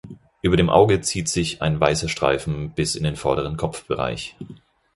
Über dem Auge zieht sich ein weißer Streifen bis in den vorderen Kopfbereich.